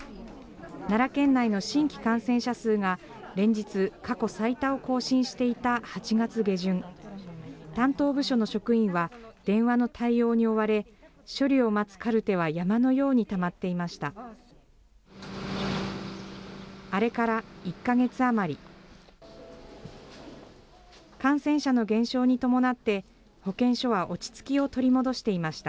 奈良県内の新規感染者数が、連日過去最多を更新していた８月下旬、担当部署の職員は、電話の対応に追われ、処理を待つカルテは山のようにたまっていました。